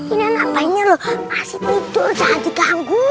ini anak anaknya loh masih tidur jangan diganggu